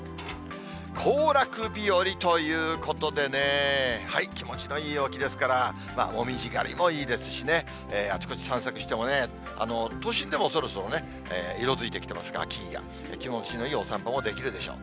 行楽日和ということでね、気持ちのいい陽気ですから、紅葉狩りもいいですしね、あちこち散策してもね、都心でもそろそろね、色づいてきてますから、木々が、気持ちのいいお散歩もできるでしょう。